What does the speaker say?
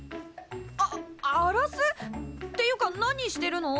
ああらす！？っていうか何してるの？